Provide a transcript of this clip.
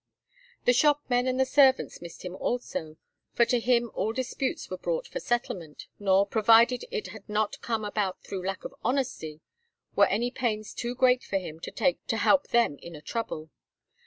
The shopmen and the servants missed him also, for to him all disputes were brought for settlement, nor, provided it had not come about through lack of honesty, were any pains too great for him to take to help them in a trouble.